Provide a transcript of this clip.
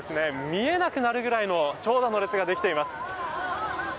見えなくなるくらいの長蛇の列ができています。